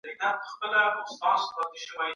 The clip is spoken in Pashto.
ميرويس خان نيکه څنګه د خپلواکۍ لپاره مبارزه وکړه؟